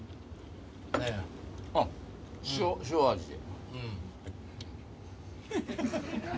あっ塩味で。